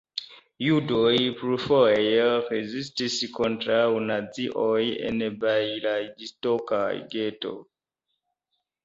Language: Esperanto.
Judoj plurfoje rezistis kontraŭ nazioj en bjalistoka geto.